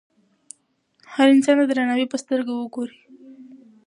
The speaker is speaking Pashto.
هر انسان ته د درناوي په سترګه وګورئ.